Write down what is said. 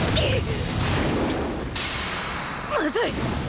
まずいっ！